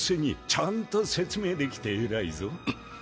ちゃんと説明できて偉いぞ。